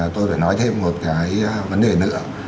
tôi phải nói thêm một cái vấn đề nữa